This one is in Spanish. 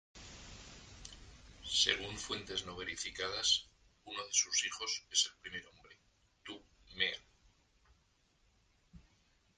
Según fuentes no verificadas, uno de sus hijos es el primer hombre: Tu-mea.